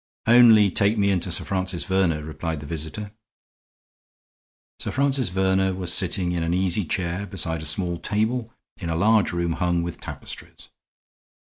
"Only take me into Sir Francis Verner," replied the visitor. Sir Francis Verner was sitting in an easy chair beside a small table in a large room hung with tapestries.